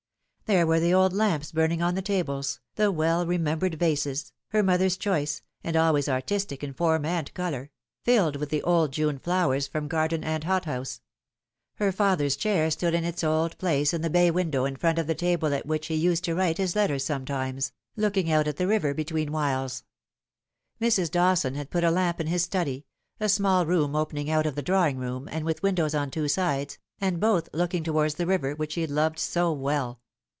There were the old lamps burning on the tables, the well remembered vases her mother's choice, and always artistic in form and colour filled with the old June flowers from garden and hothouse. Her father's chair stood in its old place in the bay window in front of the table at which he used to write his letters sometimes, looking out at the river between whiles. Mrs. Dawson had put a lamp in his study, a small room opening out of the drawing room, and with windows on two sides, and both looking towards the river, which he had loved so well.